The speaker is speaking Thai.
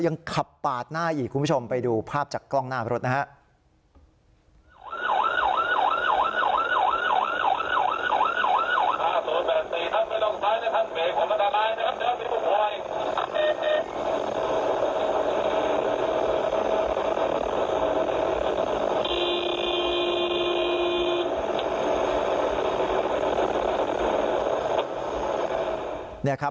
ยังขับปาดหน้าอีกคุณผู้ชมไปดูภาพจากกล้องหน้ารถนะครับ